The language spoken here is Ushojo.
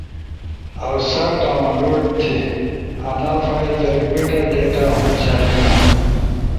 اؤ سا ڈاونلوڈ تھی! انا فائل در میٹا ڈیٹا ہُم شامل ہنو